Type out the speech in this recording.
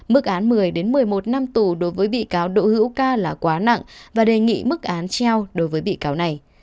mức án một mươi một mươi một năm tù đối với bị cáo đỗ hữu ca là quá nặng và đề nghị mức án treo đối với bị cáo này